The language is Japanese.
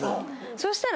そしたら。